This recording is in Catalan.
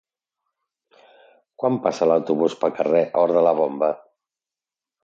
Quan passa l'autobús pel carrer Hort de la Bomba?